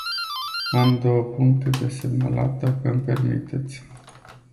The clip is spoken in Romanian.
Am două puncte de semnalat, dacă îmi permiteți.